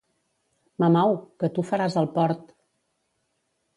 Mamau! que tu faràs el port.